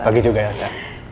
pagi juga ya sa